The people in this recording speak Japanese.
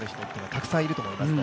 たくさんいると思いますと。